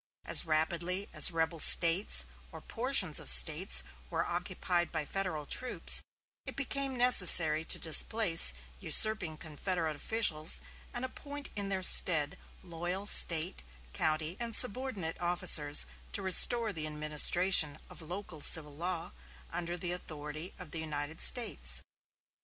As rapidly as rebel States or portions of States were occupied by Federal troops, it became necessary to displace usurping Confederate officials and appoint in their stead loyal State, county, and subordinate officers to restore the administration of local civil law under the authority of the United States.